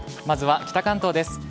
まずは北関東です。